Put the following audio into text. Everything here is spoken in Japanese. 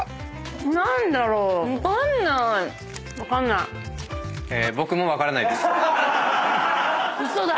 何だろう？え！